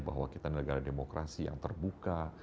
bahwa kita negara demokrasi yang terbuka